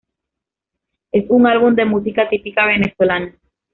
Es un álbum de música típica venezolana.